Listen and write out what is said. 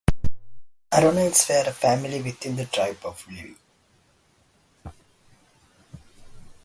Aaronites were a family within the tribe of Levi.